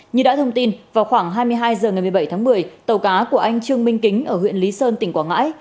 như đã thông tin vào khoảng hai mươi hai h ngày một mươi bảy tháng một mươi tàu cá của anh trương minh kính ở huyện lý sơn tỉnh quảng ngãi